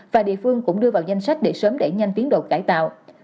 và địa phương cũng đưa vào danh sách để sớm đẩy nhanh tiến độ cải tạo